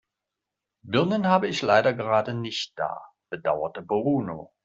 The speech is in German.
Birnen habe ich leider gerade nicht da, bedauerte Bruno.